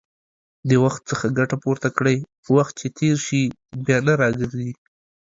د وخت څخه ګټه پورته کړئ، وخت چې تېر شي، بيا نه راګرځي